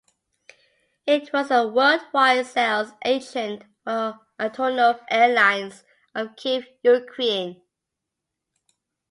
It was the worldwide sales agent for Antonov Airlines of Kiev, Ukraine.